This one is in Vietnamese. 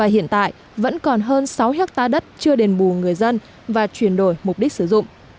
hiện tại vẫn còn hơn sáu hectare đất chưa đền bù người dân và chuyển đổi mục đích sử dụng